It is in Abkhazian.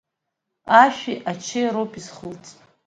Ашәи ачеи роуп изхылҵ.